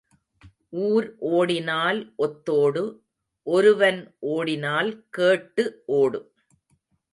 ஊர் ஓடினால் ஒத்தோடு ஒருவன் ஓடினால் கேட்டு ஓடு.